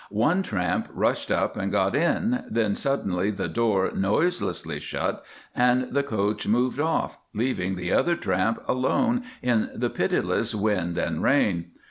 One tramp rushed up and got in, then suddenly the door noiselessly shut and the coach moved off, leaving the other tramp alone in the pitiless wind and rain.